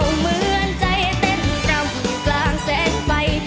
เหมือนใจเต้นรำกลางแสงไฟ